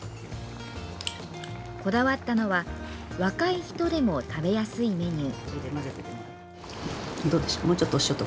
こだわったのは若い人でも食べやすいメニュー。